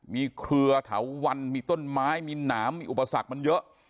มีเครือเถาวันมีต้นไม้มีหนามมีอุปสรรคมันเยอะ